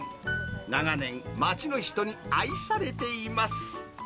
長年、町の人に愛されています。